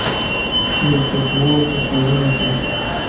• چي د دواړو په شعرونو کي ,